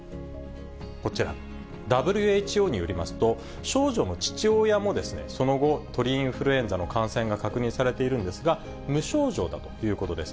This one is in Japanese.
こちら、ＷＨＯによりますと、少女の父親も、その後、鳥インフルエンザの感染が確認されているんですが、無症状だということです。